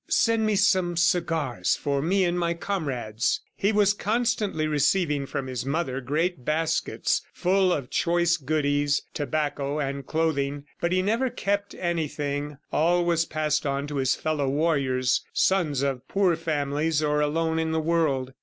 "Send me some cigars ... for me and my comrades." He was constantly receiving from his mother great baskets full of choice goodies, tobacco and clothing. But he never kept anything; all was passed on to his fellow warriors, sons of poor families or alone in the world.